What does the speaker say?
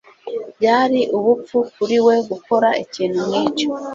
Byari ubupfu kuri we gukora ikintu nkicyo.